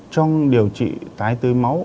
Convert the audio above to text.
trong điều trị tái tươi máu